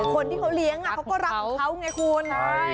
คนที่เขาเลี้ยงเขาก็รักของเขาไงคุณ